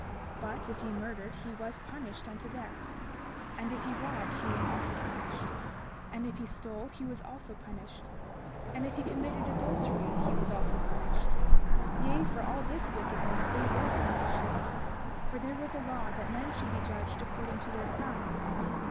30:10 But if he murdered he was punished unto death; and if he robbed he was also punished; and if he stole he was also punished; and if he committed adultery he was also punished; yea, for all this wickedness they were punished. 30:11 For there was a law that men should be judged according to their crimes.